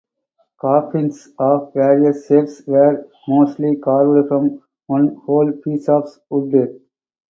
Coffins of various shapes were mostly carved from one whole piece of wood.